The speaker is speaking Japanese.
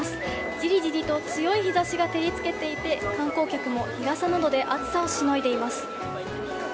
ジリジリと強い日差しが照りつけていて観光客も日傘などで暑さをしのいでいます。